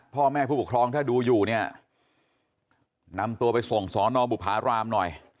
พ่อแม่ผู้ปกครองถ้าดูอยู่เนี่ยนำตัวไปส่งสอนอบุภารามหน่อย